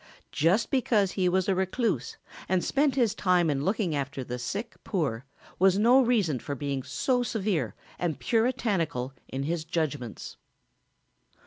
Just because he was a recluse and spent his time in looking after the sick poor was no reason for being so severe and puritanical in his judgments.